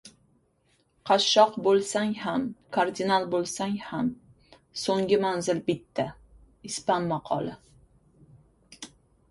Qashshoq bo‘lsang ham, kardinal bo‘lsang ham so‘nggi manzil bitta. Ispan maqoli